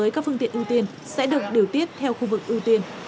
với các phương tiện ưu tiên sẽ được điều tiết theo khu vực ưu tiên